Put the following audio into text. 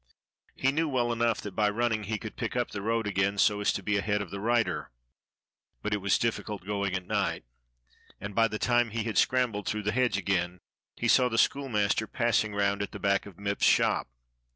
He knew well enough that by running he could pick up the road again so as to be ahead of the rider; but it was difficult going at night, and by the time he had scrambled through the hedge again he saw the schoolmaster passing round at the back of Mipps's shop.